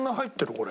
これ。